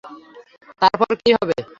তারপর কি হবে?